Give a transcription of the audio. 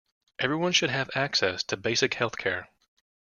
Everyone should have access to basic health-care.